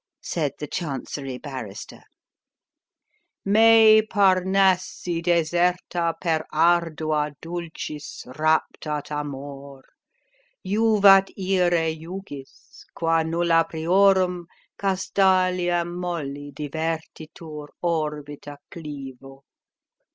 said the Chancery Barrister: "Me Parnassi deserta per ardua dulcis Raptat amor: juvat ire jugis, qua nulla priorum Castaliam molli divertitur orbita clivo."